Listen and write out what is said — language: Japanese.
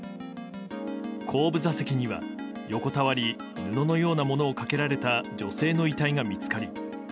後部座席には、横たわり布のようなものをかけられた女性の遺体が見つかり。